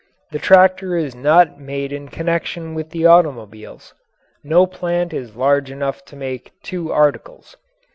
The tractor is not made in connection with the automobiles. No plant is large enough to make two articles.